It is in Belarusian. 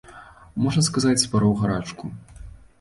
Можна сказаць, спароў гарачку.